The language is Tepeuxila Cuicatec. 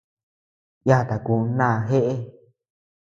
Yata kun ndá jeʼë.